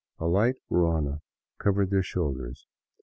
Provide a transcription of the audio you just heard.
A light ruana covers their shoulders.